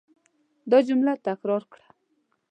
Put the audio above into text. دا جمله تکرار کړه.